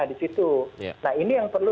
disitu nah ini yang perlu